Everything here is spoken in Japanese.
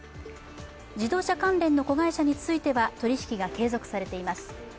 自動車関連の子会社については取り引きが継続されています。